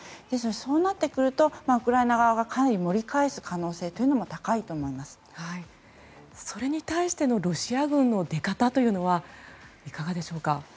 そうなってくるとウクライナ側がかなり盛り返す可能性もそれに対してのロシア軍の出方というのはいかがでしょうか？